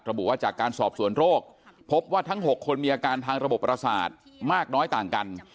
ระบุว่าจากการสอบสวนโรคพบว่าทั้ง๖คนมีอาการทางระบบประสาทมากน้อยต่างกัน